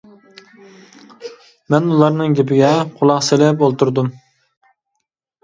مەن ئۇلارنىڭ گېپىگە قۇلاق سېلىپ ئولتۇردۇم.